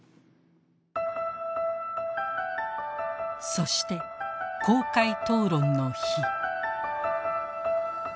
そして公開討論の日。